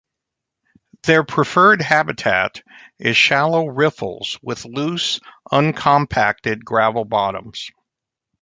Their preferred habitat is shallow riffles with loose, uncompacted gravel bottoms.